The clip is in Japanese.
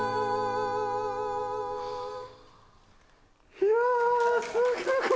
いやー、すごい。